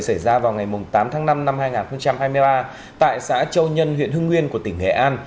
xảy ra vào ngày tám tháng năm năm hai nghìn hai mươi ba tại xã châu nhân huyện hưng nguyên của tỉnh hệ an